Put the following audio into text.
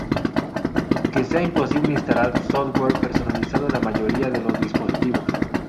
que sea imposible instalar software personalizado en la mayoría de los dispositivos